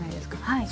はい。